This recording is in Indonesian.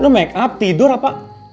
lo makeup tidur apa